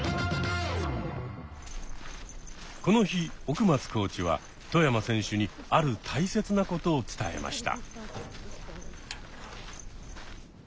この日奥松コーチは外山選手にある大切なことを伝えました。